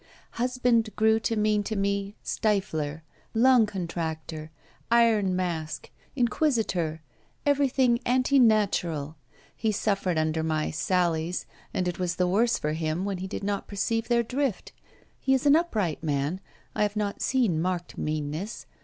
Husband grew to mean to me stifler, lung contractor, iron mask, inquisitor, everything anti natural. He suffered under my "sallies": and it was the worse for him when he did not perceive their drift. He is an upright man; I have not seen marked meanness.